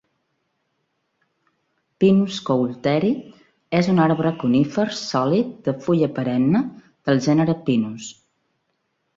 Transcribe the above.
"Pinus coulteri" és un arbre conífer sòlid de fulla perenne del gènere "Pinus".